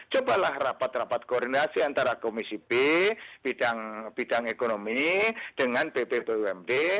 cobalah rapat rapat koordinasi antara komisi b bidang ekonomi dengan bp bumd